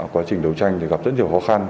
quá trình đấu tranh gặp rất nhiều khó khăn